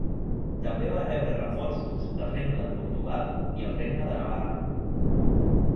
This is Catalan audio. També va rebre reforços del Regne de Portugal i el Regne de Navarra.